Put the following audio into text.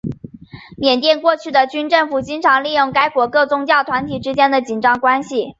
缅甸过去的军政府经常利用该国各宗教团体之间的紧张关系。